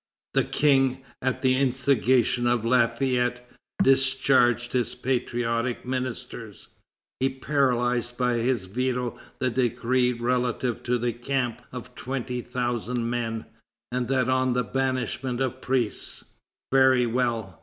The King, at the instigation of Lafayette, discharged his patriotic ministers; he paralyzed by his veto the decree relative to the camp of twenty thousand men, and that on the banishment of priests. Very well!